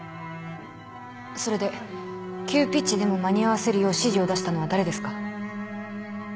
それで急ピッチでも間に合わせるよう指示を出したのは誰ですか。